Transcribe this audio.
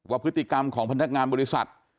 พฤติกรรมของพนักงานบริษัท